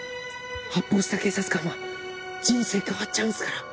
発砲した警察官は人生変わっちゃうんすから。